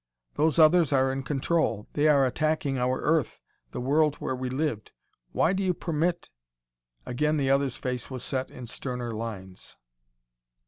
Those others are in control; they are attacking our Earth, the world where we lived. Why do you permit ?" Again the other's face was set in sterner lines.